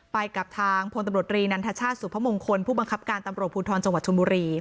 ไปกับทางพลตำรวจรีนันทชาติสุพมงคลผู้บังคับการตำรวจภูทรจังหวัดชนบุรี